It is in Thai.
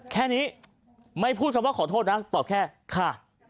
แค่นี้ไม่พูดคำว่าขอโทษนะตอบแค่ค่ะ